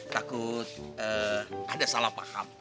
takut ada salah paham